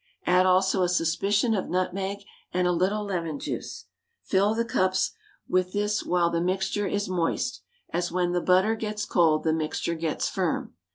Add also a suspicion of nutmeg and a little lemon juice. Fill the cups with this while the mixture is moist, as when the butter gets cold the mixture gets firm.